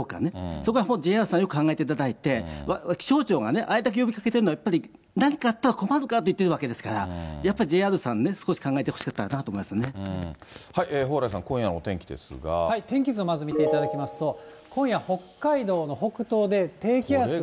そこはＪＲさん、よく考えていただいて、気象庁があれだけ呼びかけてるのはやっぱり何かあったら困るからと言ってるわけですから、やっぱりＪＲさん、少し考えてほしかっ蓬莱さん、今夜のお天気です天気図をまず見ていただきますと、今夜、北海道の北東で低気圧が。